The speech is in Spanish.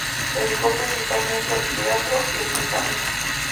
Se dedicó principalmente al retrato y el paisaje.